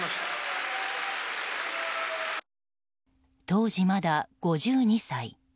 当時まだ５２歳。